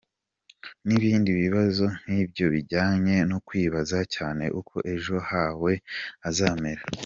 N’ibindi bibazo nk’ibyo bijyanye no kwibaza cyane uko ejo hawe hazamera.